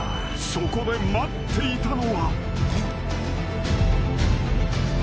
［そこで待っていたのは］